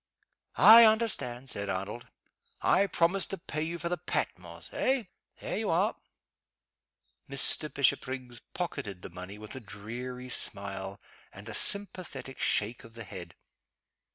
"I understand!" said Arnold. "I promised to pay you for the Patmos eh? There you are!" Mr. Bishopriggs pocketed the money with a dreary smile and a sympathetic shake of the head.